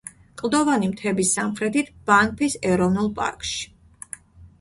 კლდოვანი მთების სამხრეთით, ბანფის ეროვნულ პარკში.